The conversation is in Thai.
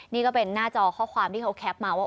นี่ก็เป็นหน้าจอข้อความที่เขาแคปมาว่า